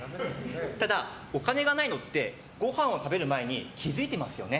ただお金がないのってごはん食べる前に気付いてますよね。